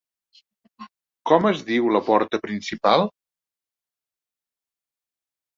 Com es diu la porta principal?